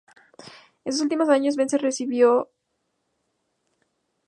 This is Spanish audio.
En sus últimos años, Bence recibió variados reconocimientos por su larga trayectoria.